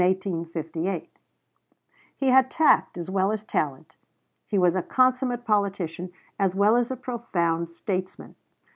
He had tact as well as talent; he was a consummate politician, as well as a profound statesman.